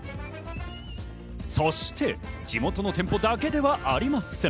そして地元の店舗だけではありません。